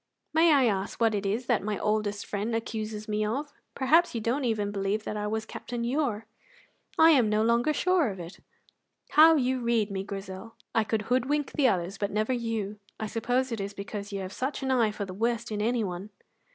"May I ask what it is that my oldest friend accuses me of? Perhaps you don't even believe that I was Captain Ure?" "I am no longer sure of it." "How you read me, Grizel! I could hoodwink the others, but never you. I suppose it is because you have such an eye for the worst in anyone."